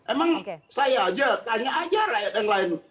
emang saya aja tanya aja rakyat yang lain